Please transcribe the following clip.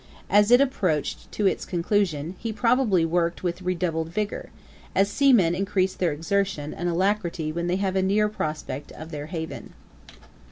As it approached to its conclusion, he probably worked with redoubled vigour, as seamen increase their exertion and alacrity when they have a near prospect of their haven.